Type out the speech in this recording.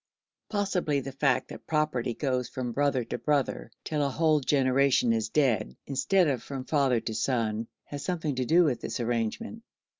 Possibly the fact that property goes from brother to brother till a whole generation is dead, instead of from father to son, has something to do with this arrangement.